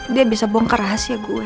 dia bisa bongkar rahasia gue